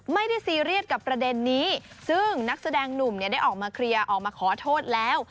ซีเรียสกับประเด็นนี้ซึ่งนักแสดงหนุ่มเนี่ยได้ออกมาเคลียร์ออกมาขอโทษแล้ว